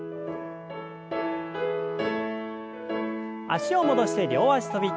脚を戻して両脚跳び。